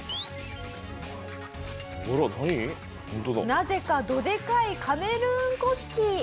なぜかどでかいカメルーン国旗。